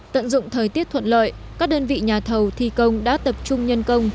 tận dụng thời tiết thuận lợi các đơn vị nhà thầu thi công đã tập trung nhân công